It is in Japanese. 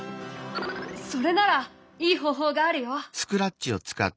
それならいい方法があるよ！